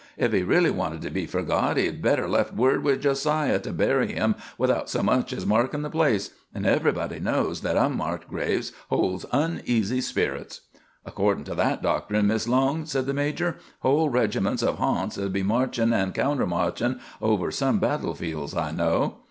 If he really wanted to be forgot, he'd better left word with Jo siah to bury him without so much as markin' the place; an' everybody knows that unmarked graves holds uneasy spirits." "Accordin' to that doctrine, Mis' Long," said the major, "whole regiments of harnts 'u'd be marchin' an' counter marchin' over some battle fields I know."